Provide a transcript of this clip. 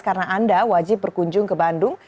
karena anda wajib berkunjung ke bandung